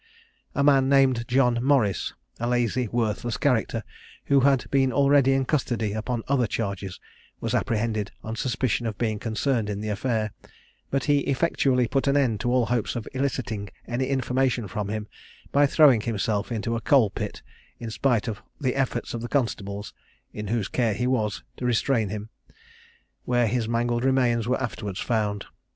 A man named John Morris, a lazy, worthless character, who had been already in custody upon other charges, was apprehended on suspicion of being concerned in the affair; but he effectually put an end to all hopes of eliciting any information from him by throwing himself into a coal pit, in spite of the efforts of the constables, in whose care he was, to restrain him, where his mangled remains were afterwards found.